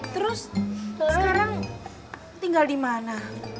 terus sekarang tinggal dimana